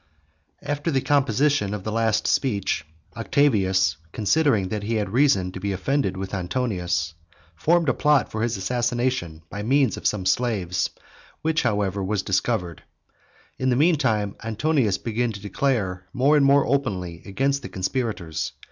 After the composition of the last speech, Octavius, considering that he had reason to be offended with Antonius, formed a plot for his assassination by means of some slaves, which however was discovered. In the mean time Antonius began to declare more and more openly against the conspirators.